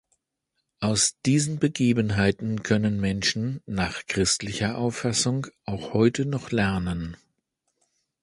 Aus diesen Begebenheiten können Menschen, nach christlicher Auffassung, auch heute noch lernen.